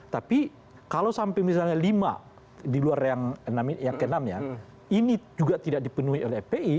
tapi kalau sampai misalnya lima di luar yang keenam ya ini juga tidak dipenuhi oleh fpi